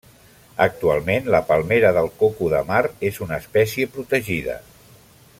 Actualment la palmera del coco de mar és una espècie protegida.